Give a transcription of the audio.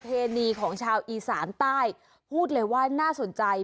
เพณีของชาวอีสานใต้พูดเลยว่าน่าสนใจ